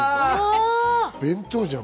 弁当じゃん。